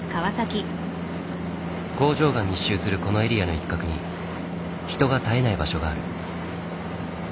工場が密集するこのエリアの一角に人が絶えない場所がある。